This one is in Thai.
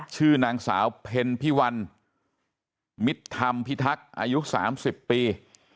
ชื่อนางสาวเพ็ญพี่วันมิดธรรมพิทักษ์อายุสามสิบปี